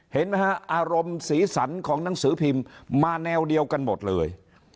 เห็นไหมฮะอารมณ์สีสันของหนังสือพิมพ์มาแนวเดียวกันหมดเลย